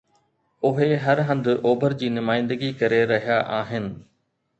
اهي هر هنڌ اوڀر جي نمائندگي ڪري رهيا آهن